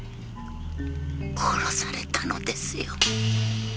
殺されたのですよ。